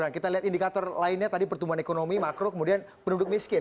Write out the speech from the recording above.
kita lihat indikator lainnya tadi pertumbuhan ekonomi makro kemudian penduduk miskin